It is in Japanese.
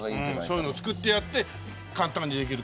そういうのを作ってやって簡単にできる。